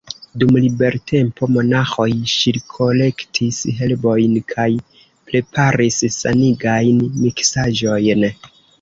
Dum libertempo monaĥoj ŝirkolektis herbojn kaj preparis sanigajn miksaĵojn.